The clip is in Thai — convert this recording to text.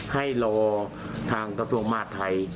ให้รอทางกระทรวงมหาดไทย